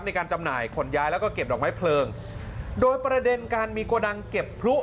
จำหน่ายขนย้ายแล้วก็เก็บดอกไม้เพลิงโดยประเด็นการมีโกดังเก็บพลุ